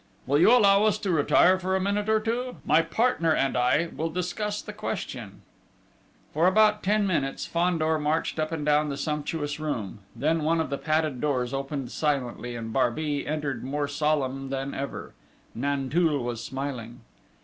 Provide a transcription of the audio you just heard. Will you allow us to retire for a minute or two: my partner and I will discuss the question." For about ten minutes Fandor marched up and down the sumptuous room. Then one of the padded doors opened silently, and Barbey entered more solemn than ever: Nanteuil was smiling.